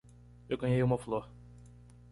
Eu ganhei uma flor.